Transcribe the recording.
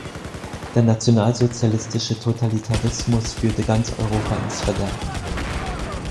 Der nationalsozialistische Totalitarismus führte ganz Europa ins Verderben.